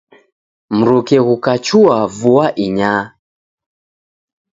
Mruke ghukachua vua inyaa.